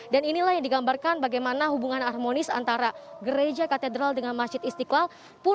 dan inilah yang digambarkan bagaimana hubungan harmonis antara gereja katedral dengan masjid istiqlal